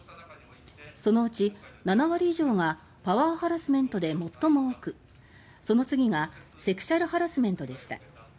そのうち７割以上がパワーハラスメントで最も多くその次がセクシャルハラスメントでした。